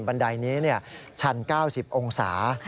บันไดนี้ชัน๙๐องศา